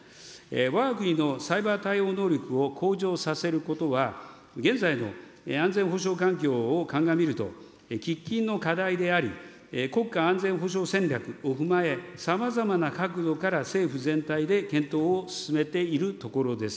わが国のサイバー対応能力を向上させることは、現在の安全保障環境を鑑みると喫緊の課題であり、国家安全保障戦略を踏まえ、さまざまな角度から政府全体で検討を進めているところです。